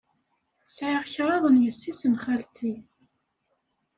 Sɛiɣ kraḍt n yessi-s n xalti.